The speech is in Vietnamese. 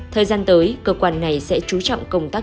thời gian tới cơ quan này sẽ chú trọng công tác